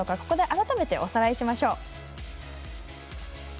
ここで改めておさらいしましょう。